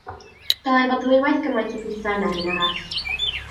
Dylai fod ddwywaith gymaint o bwysau na'r un arall.